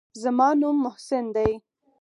زما نوم محسن دى.